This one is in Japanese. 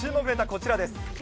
こちらです。